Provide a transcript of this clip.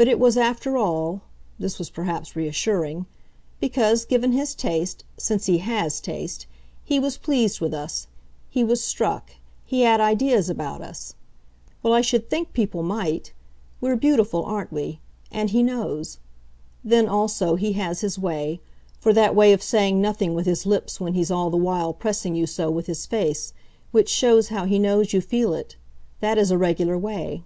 "But it was after all" this was perhaps reassuring "because, given his taste, since he HAS taste, he was pleased with us, he was struck he had ideas about us. Well, I should think people might; we're beautiful aren't we? and he knows. Then, also, he has his way; for that way of saying nothing with his lips when he's all the while pressing you so with his face, which shows how he knows you feel it that is a regular way."